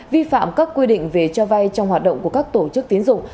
vi phạm các quy định về cho vay trong hoạt động của các tổ chức tiến dụng